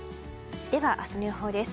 では明日の予報です。